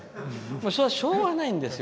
それは、しょうがないんですよ。